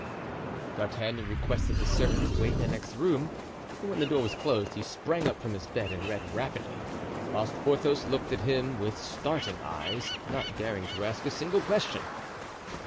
D'Artagnan requested the servant to wait in the next room and when the door was closed he sprang up from his bed and read rapidly, whilst Porthos looked at him with starting eyes, not daring to ask a single question.